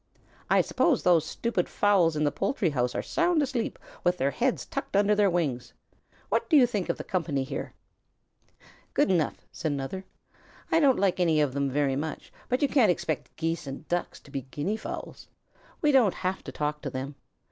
"I suppose those stupid fowls in the poultry house are sound asleep, with their heads tucked under their wings. What do you think of the company here?" "Good enough," said another. "I don't like any of them very much, but you can't expect Geese and Ducks to be Guinea fowls. We don't have to talk to them.